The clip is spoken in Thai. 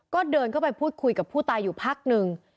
ก็เดินเข้าไปพูดคุยกับผู้ตายอยู่พักหนึ่ง